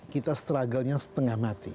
kita struggle nya setengah mati